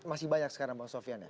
masih banyak sekarang bang sofian ya